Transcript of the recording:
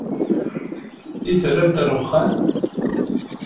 I terremt ɣer wexxam?